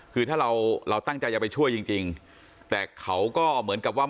คือถ้าเราเราตั้งใจจะไปช่วยจริงจริงแต่เขาก็เหมือนกับว่า